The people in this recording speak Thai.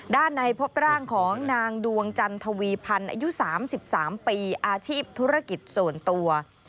ด้านในพบร่างของนางดวงจันทวีพันธ์อายุ๓๓ปีอาชีพธุรกิจส่วนตัว